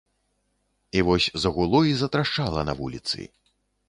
І вось загуло і затрашчала на вуліцы.